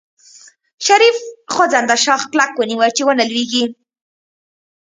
شريف خوځنده شاخ کلک ونيو چې ونه لوېږي.